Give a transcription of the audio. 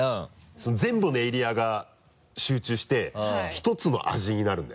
全部のエリアが集中してひとつの味になるんだよね。